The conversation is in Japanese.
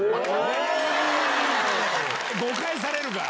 誤解されるから。